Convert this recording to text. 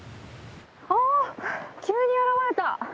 あ急に現れた！